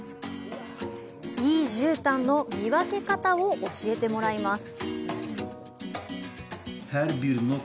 いい絨毯の見分け方を教えてもらいます。